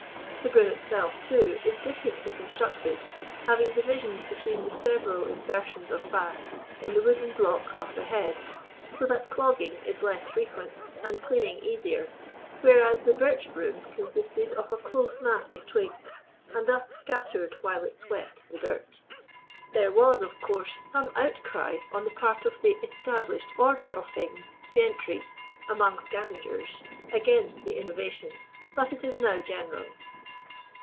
The broom itself^ too, is differently constructed, having divisions between the several insertions of bass in the wooden block of the head, so that clog ging is less frequent, and cleaning easier, whereas the birch broom consisted of a close mass of twigii, and thus scattered while it swept the dirt. There was, of course, some outcry on the part of the " established order of things " gentry among sca vengers, against the innovation, but it is now general.